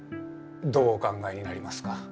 どうお考えになりますか。